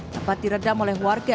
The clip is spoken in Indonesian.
dapat diredam oleh warga